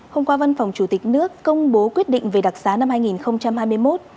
hôm qua văn phòng chủ tịch nước công bố quyết định về đặc xá năm hai nghìn hai mươi một